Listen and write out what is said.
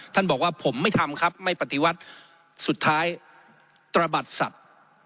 ท่านบอกว่าผมไม่ทำครับไม่ปฏิวัติสุดท้ายตระบัดสัตว์